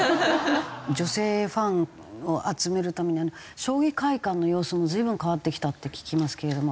女性ファンを集めるために将棋会館の様子も随分変わってきたって聞きますけれども。